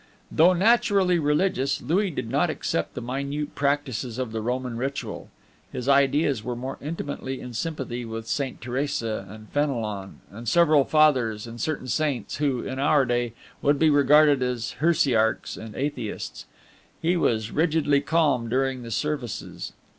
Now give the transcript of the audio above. Though naturally religious, Louis did not accept the minute practices of the Roman ritual; his ideas were more intimately in sympathy with Saint Theresa and Fenelon, and several Fathers and certain Saints, who, in our day, would be regarded as heresiarchs or atheists. He was rigidly calm during the services.